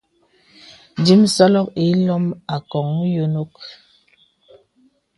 Dīmə̄sɔlɔ ilom àkɔ̀n yònok.